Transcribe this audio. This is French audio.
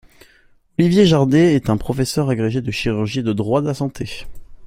Olivier Jardé est un professeur agrégé de chirurgie et de droit de la santé.